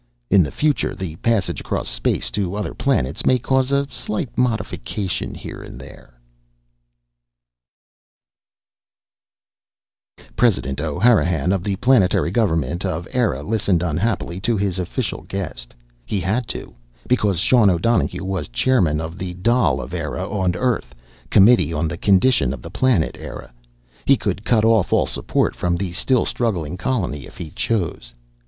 In the future, the passage across space to other planets may cause a slight modification here and there ..._ President O'Hanrahan of the planetary government of Eire listened unhappily to his official guest. He had to, because Sean O'Donohue was chairman of the Dail of Eire on Earth Committee on the Condition of the Planet Eire. He could cut off all support from the still struggling colony if he chose.